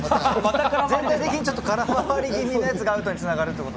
全体的に空回り気味なのがアウトにつながると。